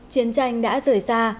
chiến tranh đã rời xa